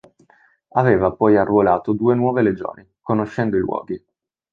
Aveva poi arruolato due nuove legioni, conoscendo i luoghi.